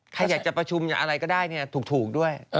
ใครอยากจะประชุมอะไรก็ได้ถูกด้วย